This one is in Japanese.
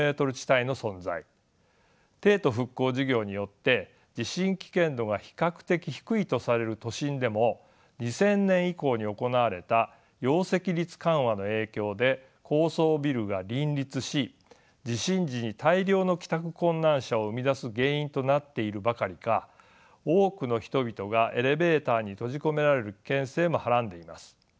帝都復興事業によって地震危険度が比較的低いとされる都心でも２０００年以降に行われた容積率緩和の影響で高層ビルが林立し地震時に大量の帰宅困難者を生み出す原因となっているばかりか多くの人々がエレベーターに閉じ込められる危険性もはらんでいます。